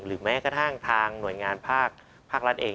แม้กระทั่งทางหน่วยงานภาครัฐเอง